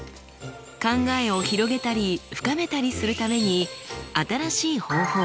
考えを広げたり深めたりするために新しい方法